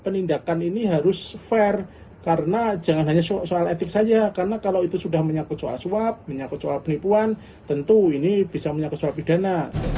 penindakan ini harus fair karena jangan hanya soal etik saja karena kalau itu sudah menyangkut soal suap menyangkut soal penipuan tentu ini bisa menyangkut soal pidana